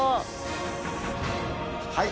はい。